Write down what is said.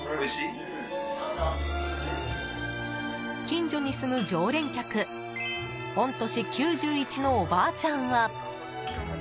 近所に住む常連客御年９１のおばあちゃんは。